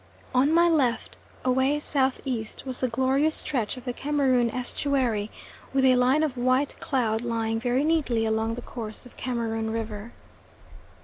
On my left away S.E. was the glorious stretch of the Cameroon estuary, with a line of white cloud lying very neatly along the course of Cameroon River.